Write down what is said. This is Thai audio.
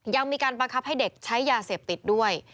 ยังมีการบังคับให้เด็กใช้ยาเสพติดด้วย